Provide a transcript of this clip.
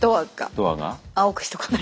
ドアが？